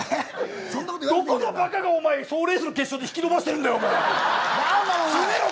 どこのばかが賞レースの決勝で引き伸ばしてるんだよ。